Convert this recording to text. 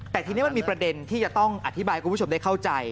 แต่ทีนี้มันมีประเด็นที่จะต้องอธิบายให้คุณผู้ชมได้เข้าใจ